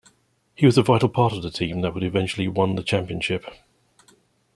He was a vital part of the team that would eventually won the championship.